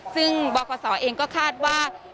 ซึ่งบคศเองก็คาดว่า